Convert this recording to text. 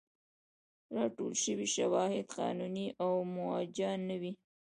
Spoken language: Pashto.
راټول شوي شواهد قانوني او موجه نه وو.